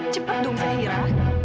cepet dong zahira